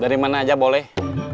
dari mana aja boleh